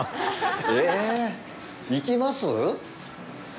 え、行きます？